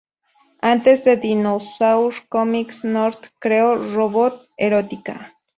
Antes de "Dinosaur Comics", North creó "Robot Erotica".